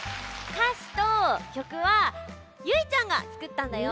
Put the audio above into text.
かしときょくはゆいちゃんがつくったんだよ。